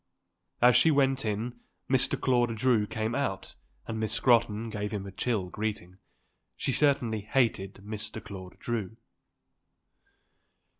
As she went in Mr. Claude Drew came out and Miss Scrotton gave him a chill greeting. She certainly hated Mr. Claude Drew.